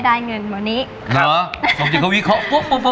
เดี๋ยวไปกินข้าว